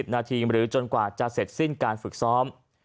นาทีหรือจนกว่าจะเสร็จสิ้นการฝึกซ้อม